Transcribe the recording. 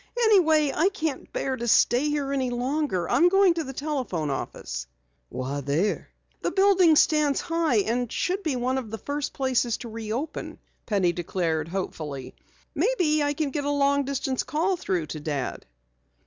"Anyway, I can't bear to stay here any longer. I'm going to the telephone office." "Why there?" "The building stands high and should be one of the first places to reopen," Penny declared hopefully. "Maybe I can get a long distance call through to Dad."